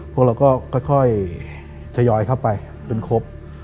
พวกเราก็ค่อยทยอยเข้าไปจนครบ